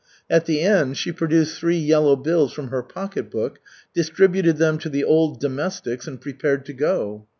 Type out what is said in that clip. At the end, she produced three yellow bills from her pocketbook, distributed them to the old domestics, and prepared to go.